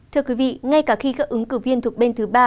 thưa quý vị ngay cả khi các ứng cử viên thuộc bên thứ ba